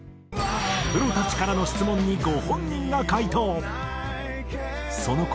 プロたちからの質問にご本人が回答。